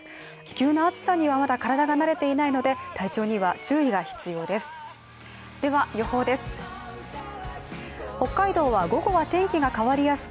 急な暑さにはまだ体が慣れていないので、体調には注意が必要です。